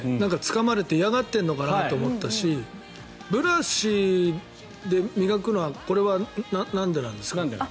つかまれて嫌がってるのかなと思ったしブラシで磨くのはこれはなんでなんですか？